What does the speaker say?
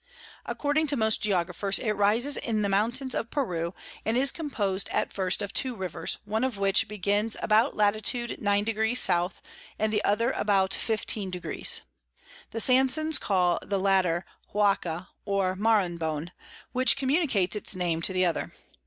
According to most Geographers it rises in the Mountains of Peru, and is compos'd at first of two Rivers, one of which begins about Lat. 9. S. and the other about 15. The Sansons call the latter Xauxa or Maranhon, which communicates its Name to the other.